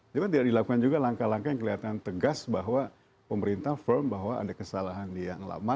cuma tidak dilakukan juga langkah langkah yang kelihatan tegas bahwa pemerintah firm bahwa ada kesalahan yang lama